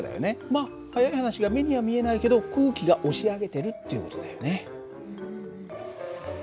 まあ早い話が目には見えないけど空気が押し上げてるっていう事だよね。